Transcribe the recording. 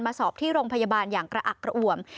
สอบที่โรงพยาบาลอย่างกระอักกระอ่วม